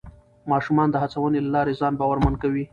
ماشومان د هڅونې له لارې ځان باورمن کوي